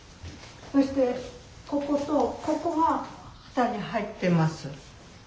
そしてこことここが２人入ってます。